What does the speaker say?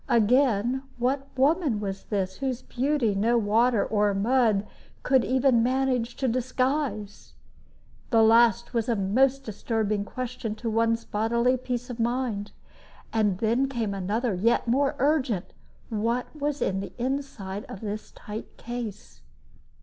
Again, what woman was this whose beauty no water or mud could even manage to disguise? That last was a most disturbing question to one's bodily peace of mind. And then came another yet more urgent what was in the inside of this tight case?